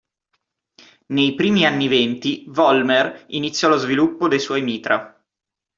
Nei primi anni venti, Vollmer iniziò lo sviluppo dei suoi mitra.